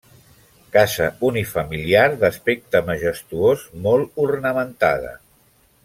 Casa unifamiliar d'aspecte majestuós, molt ornamentada.